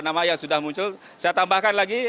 nama yang sudah muncul saya tambahkan lagi